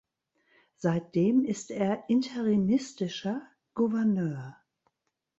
Seitdem ist er interimistischer Gouverneur.